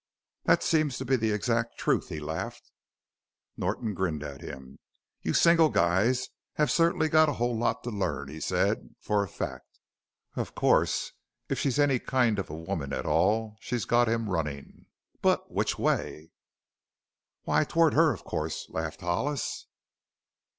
"That seems to be the exact truth," he laughed. Norton grinned at him. "You single guys have certa'nly got a whole lot to learn," he said, "for a fact. Of course if she's any kind of a woman at all she's got him runnin'. But which way?" "Why, toward her, of course!" laughed Hollis.